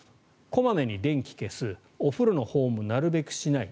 小まめに電気を消すお風呂の保温もなるべくしない。